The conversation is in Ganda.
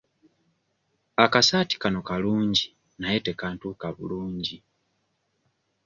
Akasaati kano kalungi naye tekantuuka bulungi.